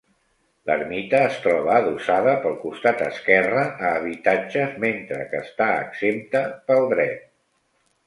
L'ermita es troba adossada pel costat esquerre a habitatges, mentre que està exempta pel dret.